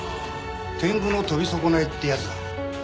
「天狗の飛び損ない」ってやつだな。